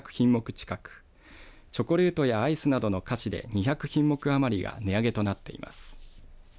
近くチョコレートやアイスなどの菓子で２００品目余りが値上げとなっています。